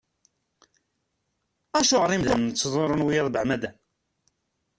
Acuɣer imdanen ttḍurrun wiyaḍ beεmada?